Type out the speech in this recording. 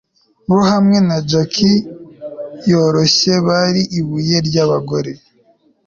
bo hamwe na jack yoroshye bari ibuye ryabagore